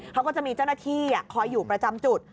เขาก็จะมีเจ้าหน้าที่คอยอยู่ประจำจุด